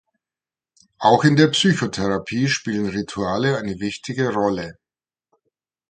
Auch in der Psychotherapie spielen Rituale eine wichtige Rolle.